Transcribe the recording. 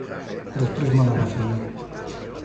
Després me la va fer a mi.